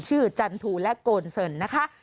ชื่อจันทูและโกนเสิร์ตนะคะ